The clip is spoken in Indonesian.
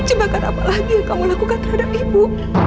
coba kan apa lagi yang kamu lakukan terhadap ibu